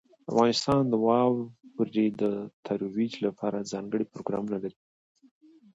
افغانستان د واورې د ترویج لپاره ځانګړي پروګرامونه لري.